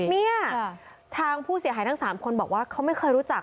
เนี่ยทางผู้เสียหายทั้ง๓คนบอกว่าเขาไม่เคยรู้จัก